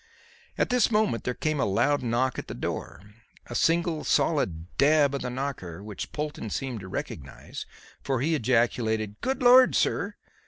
At this moment there came a loud knock at the door; a single, solid dab of the knocker which Polton seemed to recognize, for he ejaculated: "Good lord, sir!